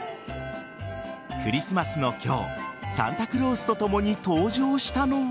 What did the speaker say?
クリスマスの今日サンタクロースとともに登場したのは。